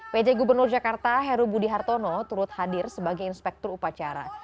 pj gubernur jakarta heru budi hartono turut hadir sebagai inspektur upacara